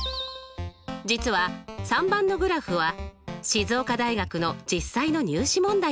実は３番のグラフは静岡大学の実際の入試問題なんです。